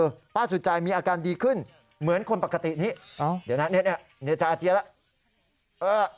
ป้าสุจัยมีอาการดีขึ้นเหมือนคนปกตินี้เดี๋ยวนะเนี่ยจะอาเจียนแล้ว